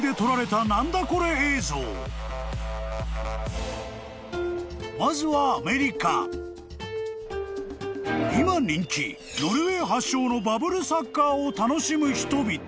［今人気ノルウェー発祥のバブルサッカーを楽しむ人々］